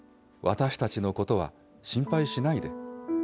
私たちのことは心配しないで。